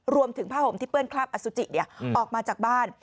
รวมถึงผ้าห่มที่เปื้อนคราบอสุจิเนี่ยออกมาจากบ้าน